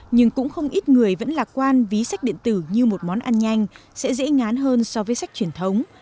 nhưng cũng không ít người vẫn lạc quan ví sách điện tử như một món ăn nhanh sẽ dễ ngán hơn so với sách truyền thống